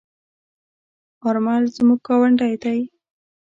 آرمل زموږ گاوندی دی.